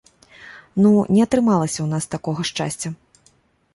Ну, не атрымалася ў нас такога шчасця.